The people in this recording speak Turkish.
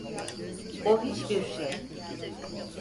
O hiçbir şey.